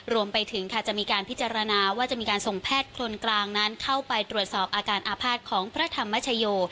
รวมไปถึงจะมีการพิจารณาส่งแพทย์คนกลางเข้าไปตรวจสอบอาการอาภาคของพระธรรมชโย